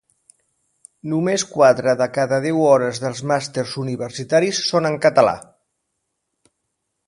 Només quatre de cada deu hores dels màsters universitaris són en català